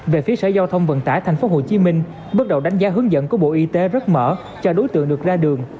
về phía sở giao thông vận tải tp hcm bước đầu đánh giá hướng dẫn của bộ y tế rất mở cho đối tượng được ra đường